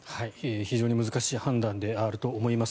非常に難しい判断であると思います。